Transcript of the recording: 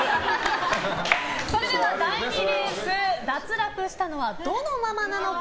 それでは第２レース脱落したのはどのママなのか。